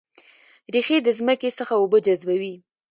ریښې د ځمکې څخه اوبه جذبوي